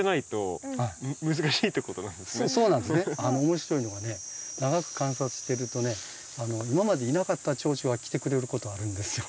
面白いのはね長く観察してるとね今までいなかったチョウチョが来てくれることあるんですよ。